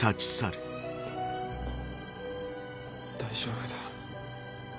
大丈夫だ。